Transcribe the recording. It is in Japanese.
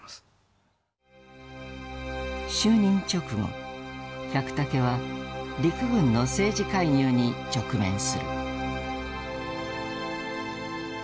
就任直後百武は陸軍の政治介入に直面する。